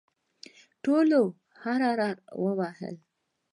ټولو هررر وهل.